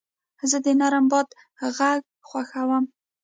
زه د نرم باد غږ خوښوم.